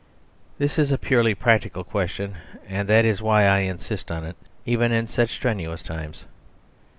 This is a purely practical question; and that is why I insist on it, even in such strenuous times.